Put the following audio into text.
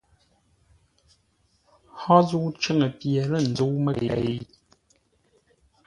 Hó zə̂u cʉ́ŋə pye lə̂ nzə́u məkei?